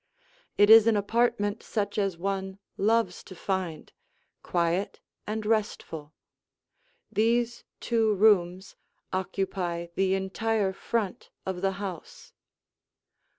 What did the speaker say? It is an apartment such as one loves to find quiet and restful. These two rooms occupy the entire front of the house.